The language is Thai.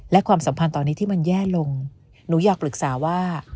และความสัมพันธ์ตอนนี้ที่มันแย่ลงหนูอยากปรึกษาว่า